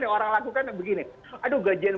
yang orang lakukan begini aduh gajian